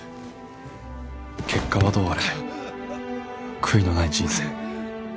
結果はどうあれ悔いのない人生